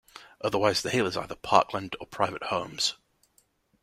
Otherwise the hill is either parkland or private homes.